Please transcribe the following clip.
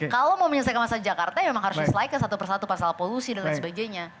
kalau mau menyelesaikan masalah jakarta memang harus diselike satu persatu pasal polusi dan lain sebagainya